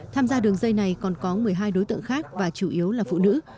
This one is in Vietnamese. tham gia đường dây này còn có một mươi hai đối tượng khác và chủ yếu là phụ nữ